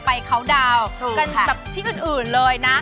เคาน์ดาวน์กันแบบที่อื่นเลยนะ